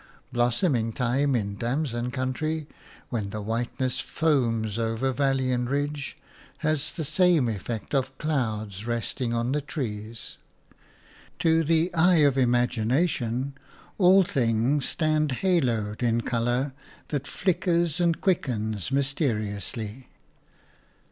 Blossoming time in a damson country, when the whiteness foams over valley and ridge, has the same effect of clouds resting on the trees. To, the eye of imagination all things stand haloed in colour that flickers and quickens mysteriously.